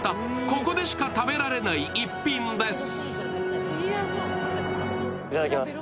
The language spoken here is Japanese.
ここでしか食べられない逸品です。